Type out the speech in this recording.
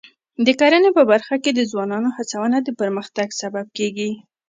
د کرنې په برخه کې د ځوانانو هڅونه د پرمختګ سبب کېږي.